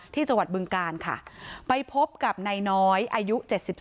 ที่จังหวัดบึงกาลค่ะไปพบกับนายน้อยอายุ๗๒